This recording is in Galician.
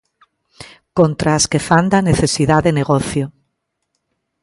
Contra as que fan da necesidade negocio.